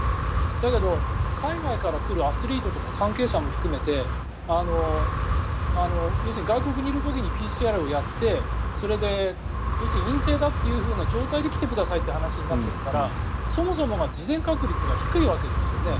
だけど、海外から来るアスリートとか関係者も含めて要するに外国にいる時にＰＣＲをやってそれで陰性だという状態で来てくださいという話になっているからそもそもが事前確率が低いわけですよね。